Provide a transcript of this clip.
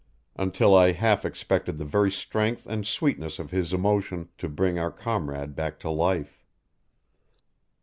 until I half expected the very strength and sweetness of his emotion to bring our comrade back to life.